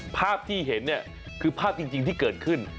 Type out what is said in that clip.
ภาพที่เห็นเนี่ยคือภาพจริงที่เกิดขึ้น